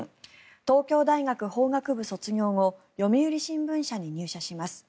東京大学法学部卒業後読売新聞社に入社します。